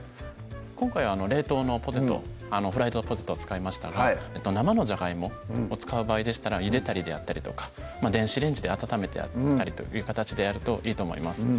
今回冷凍のフライドポテトを使いましたが生のジャガイモを使う場合でしたらゆでたりであったりとか電子レンジで温めたりという形でやるといいと思います